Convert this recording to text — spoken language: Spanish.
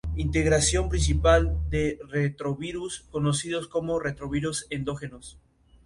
Participó en la batalla de Cepeda.